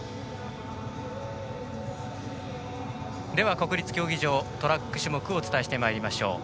国立競技場トラック種目をお伝えしていきましょう。